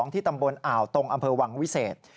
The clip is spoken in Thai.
ที่ตำบลอ่าวตรงอำเภอวังวิเศษ